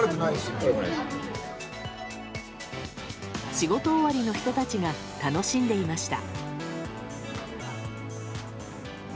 仕事終わりの人たちが楽しんでいました。